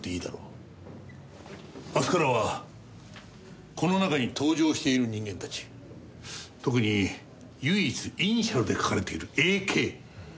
明日からはこの中に登場している人間たち特に唯一イニシャルで書かれているＡ．Ｋ徹底的に調べよう。